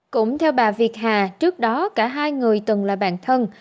cũng theo bà việt hà trước đó cả hai người từng là bạn thân